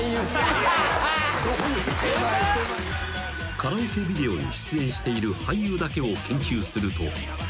［カラオケビデオに出演している俳優だけを研究すると］